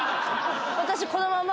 私このまま。